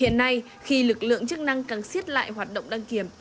hiện nay khi lực lượng chức năng càng xiết lại hoạt động đăng kiểm